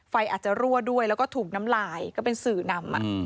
ไฟอาจจะรั่วด้วยแล้วก็ถูกน้ำลายก็เป็นสื่อนำ